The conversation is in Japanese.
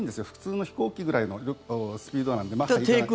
普通の飛行機ぐらいのスピードなんで。